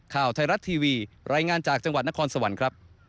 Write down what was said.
ข่าวไทยรัฐทีวีรายงานจากจังหวัดนครสวรรค์ครับ